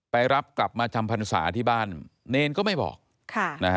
ไปรับกลับมาจำพรรษาที่บ้านเนรก็ไม่บอก